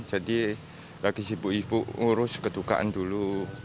jadi lagi sibuk ibuk ngurus ketukaan dulu